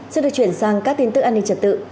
xin được chuyển sang các tin tức an ninh trật tự